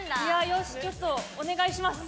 よしちょっとお願いします